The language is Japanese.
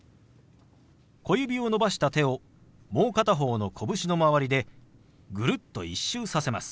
小指を伸ばした手をもう片方の拳の周りでぐるっと１周させます。